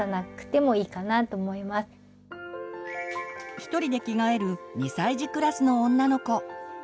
ひとりで着替える２歳児クラスの女の子。